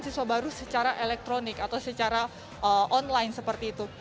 jadi kita harus datang secara manual lalu nanti secara online seperti itu